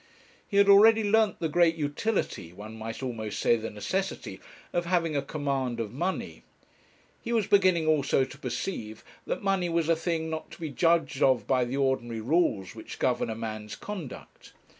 He had already learnt the great utility, one may almost say the necessity, of having a command of money; he was beginning also to perceive that money was a thing not to be judged of by the ordinary rules which govern a man's conduct.